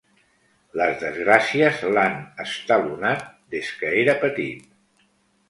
Les desgràcies l'han estalonat des que era petit.